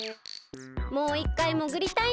もういっかいもぐりたいな。